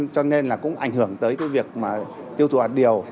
cho nên cũng ảnh hưởng tới việc tiêu thụ hạt điều